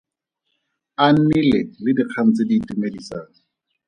A nnile le dikgang tse di itumedisang.